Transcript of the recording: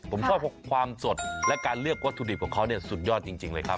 ผมชอบความสดและการเลือกวัตถุดิบของเค้าสุดยอดจริงเลยครับ